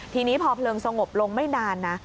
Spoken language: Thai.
ทีนี้พอเพลิงสงบลงไม่นานนะ